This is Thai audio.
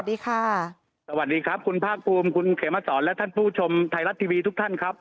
สวัสดีค่ะสวัสดีครับคุณภาคภูมิคุณเขมสอนและท่านผู้ชมไทยรัฐทีวีทุกท่านครับ